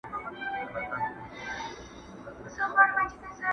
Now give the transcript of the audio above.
محبت په چیغو وایې قاسم یاره,